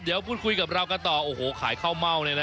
เดี๋ยวพูดคุยกับเรากันต่อโอ้โหขายข้าวเม่าเลยนะ